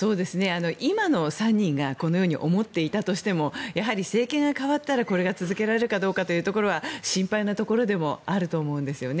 今の３人がこのように思っていたとしてもやはり政権が代わったらこれが続けられるかどうかというところは心配なところでもあると思うんですよね。